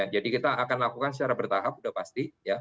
jadi kita akan lakukan secara bertahap sudah pasti